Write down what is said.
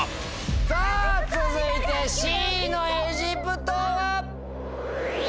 さぁ続いてＣの「エジプト」は？